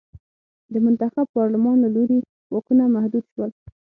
د منتخب پارلمان له لوري واکونه محدود شول.